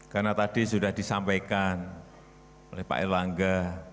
karena tadi sudah disampaikan oleh pak elwangga